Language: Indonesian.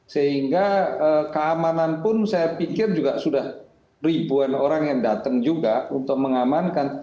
sehingga keamanan pun saya pikir juga sudah ribuan orang yang datang juga untuk mengamankan